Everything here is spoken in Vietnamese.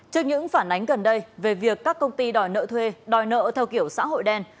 trước những phản ánh gần đây về việc các công ty đòi nợ thuê đòi nợ theo kiểu xã hội đen